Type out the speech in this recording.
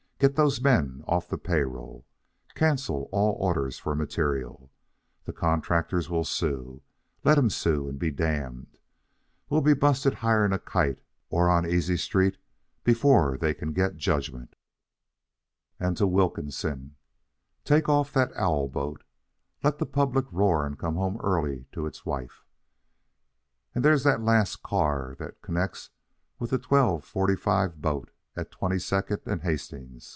Get those men off the pay roll. Cancel all orders for material. The contractors will sue? Let 'em sue and be damned. We'll be busted higher'n a kite or on easy street before they can get judgment." And to Wilkinson: "Take off that owl boat. Let the public roar and come home early to its wife. And there's that last car that connects with the 12:45 boat at Twenty second and Hastings.